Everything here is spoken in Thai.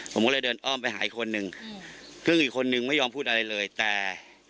ผมก็เลยเดินอ้อมไปหาอีกคนนึงซึ่งอีกคนนึงไม่ยอมพูดอะไรเลยแต่